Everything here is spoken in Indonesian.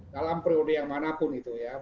dalam periode yang manapun itu ya